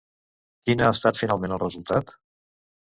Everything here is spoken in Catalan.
Quin ha estat finalment el resultat?